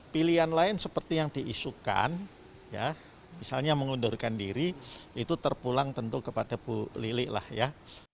pilihan lain seperti yang diisukan ya misalnya mengundurkan diri itu terpulang tentu kepada bu lili lah ya